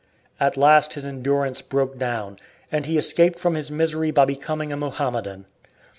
At last his endurance broke down, and he escaped from his misery by becoming a Mohammedan.